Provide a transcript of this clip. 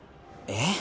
えっ。